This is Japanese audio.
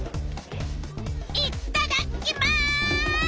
いっただきます！